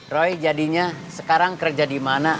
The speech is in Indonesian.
roy jadinya sekarang kerja di mana